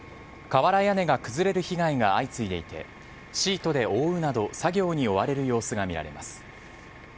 瓦屋根が崩れる被害が相次いでいてシートで覆うなど作業に追われる様子が見られます。